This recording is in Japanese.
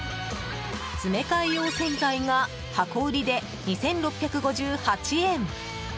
詰め替え用洗剤が箱売りで２６５８円。